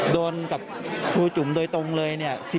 โดนกับผู้จุ่มโดยตรงเลย๑๗